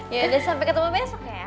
yaudah sampai ketemu besok ya